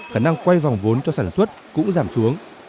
khả năng quay vòng vốn cho sản xuất cũng giảm xuống